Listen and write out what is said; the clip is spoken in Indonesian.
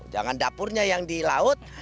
jangan dapurnya yang di laut